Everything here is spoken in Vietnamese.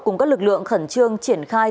cùng các lực lượng khẩn trương triển khai